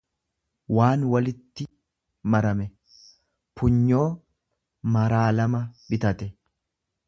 waan walitti marame; Punyoo maraa lama bitate.